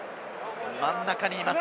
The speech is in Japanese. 真ん中にいます。